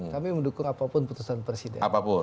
kami mendukung apapun putusan presiden